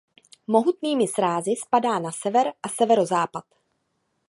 Mohutnými srázy spadá na sever a severozápad.